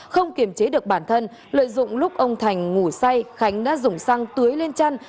không kiềm chế được bản thân lợi dụng lúc ông thành ngủ say khánh đã dùng xăng tưới lên chân